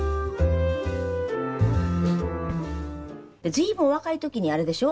随分お若い時にあれでしょ？